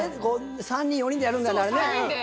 ３人４人でやるんだよねあれね。